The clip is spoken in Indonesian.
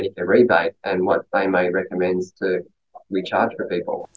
dari jalur praktik umum